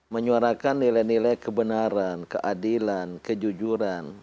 menyuarakan nilai nilai kebenaran keadilan kejujuran